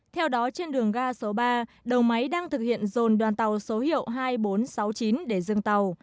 theo đó trên đường ga số ba đầu máy đang thực hiện dồn đoàn tàu số hiệu hai nghìn bốn trăm sáu mươi chín để dừng tàu